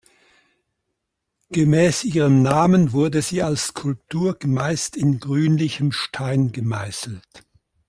Gemäß ihrem Namen wurde sie als Skulptur meist in grünlichen Stein gemeißelt.